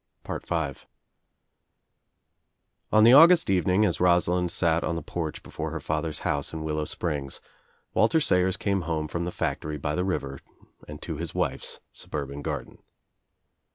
220 THE TRIUMPH OF THE EGG On the August evening as Rosalind sat on the porch before her father's house in Willow Springs, Walter Sayers came home from the factory by the river and to his wife's suburban garden.